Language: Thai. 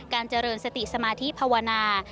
เจริญสติสมาธิภาวนา